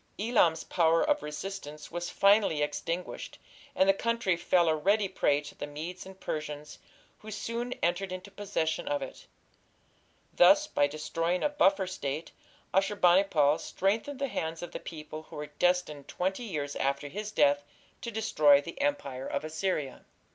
Elam's power of resistance was finally extinguished, and the country fell a ready prey to the Medes and Persians, who soon entered into possession of it. Thus, by destroying a buffer State, Ashur bani pal strengthened the hands of the people who were destined twenty years after his death to destroy the Empire of Assyria.